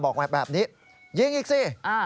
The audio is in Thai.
บอกมาแบบนี้ยิงอีกสิ